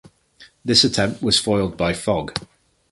This attempt was foiled by fog.